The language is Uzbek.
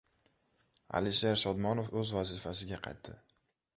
Alisher Shodmonov o‘z vazifasiga qaytdi